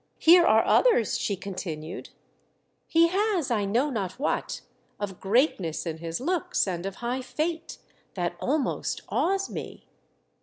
." Here are others," she continued —"' He has, I know not what Of greatness in his looks and of high fate, That almost awes me.'